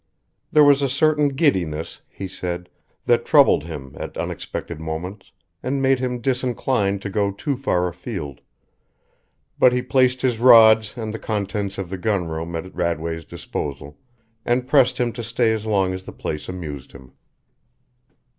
There was a certain giddiness, he said, that troubled him at unexpected moments and made him disinclined to go too far afield; but he placed his rods and the contents of the gun room at Radway's disposal and pressed him to stay as long as the place amused him.